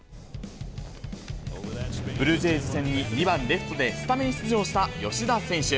ブルージェイズ戦に２番レフトでスタメン出場した吉田選手。